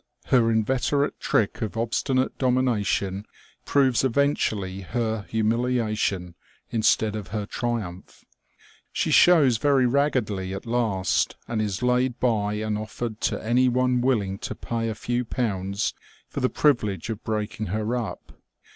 Her inveterate trick of obstinate domina tion proves eventually her humiliation instead of her triumph. She shows very raggedly at last, and is laid by and offered to any one willing to pay a few pounds for the privilege of breaking her up.